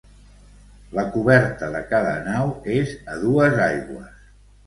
La coberta de cada nau és a dues aigües.